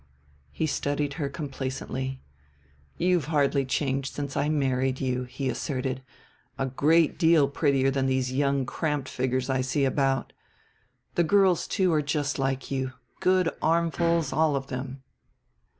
He studied her complacently. "You've hardly changed since I married you," he asserted; "a great deal prettier than these young cramped figgers I see about. The girls, too, are just like you good armfuls all of them."